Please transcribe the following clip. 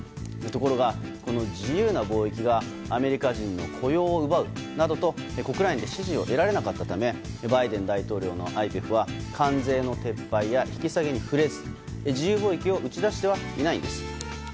ところが、この自由な貿易がアメリカ人の雇用を奪うなどと国内で支持を得られなかったためバイデン大統領のＩＰＥＦは関税の撤廃や引き下げに触れず、自由貿易を打ち出してはいないんです。